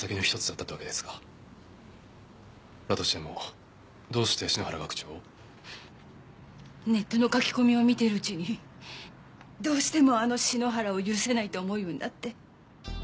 だとしてもどうして篠原学長を？ネットの書き込みを見ているうちにどうしてもあの篠原を許せないと思うようになって。